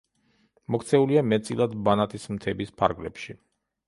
მოქცეულია მეტწილად ბანატის მთების ფარგლებში.